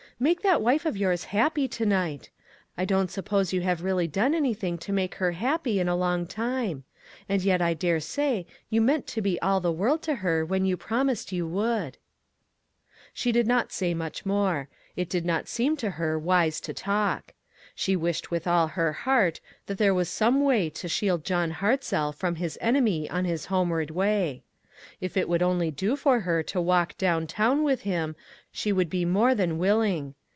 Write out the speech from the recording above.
Make that wife of yours happy to night. I don't suppose you have really done anything to make her happy in a long time ; and yet I dare say you meant to be all the world to her when you promised you would." She did not say much more. It did not seem to her wise to talk. She wished with all her heart that there was some way to 228 ONE COMMONPLACE DAY. shield John Hartzell from his enemy on his homeward way. If it would only do for her to walk down town with him, she would be more than willing.